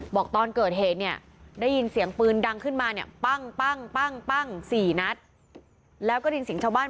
บอกตอนเกิดเหตุเนี่ยได้ยินเสียงปืนดังขึ้นมาเนี่ย